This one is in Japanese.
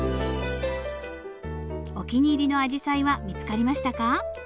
お気に入りのアジサイは見つかりましたか？